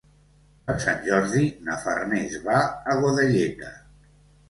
Per Sant Jordi na Farners va a Godelleta.